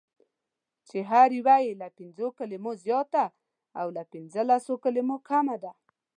چې هره یوه یې له پنځو کلمو زیاته او له پنځلسو کلمو کمه ده: